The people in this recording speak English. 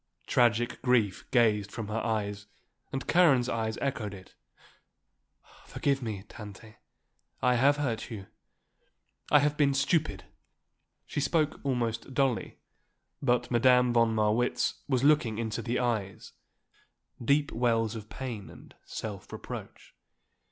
Tragic grief gazed from her eyes and Karen's eyes echoed it. "Forgive me, Tante, I have hurt you. I have been stupid," she spoke almost dully; but Madame von Marwitz was looking into the eyes, deep wells of pain and self reproach.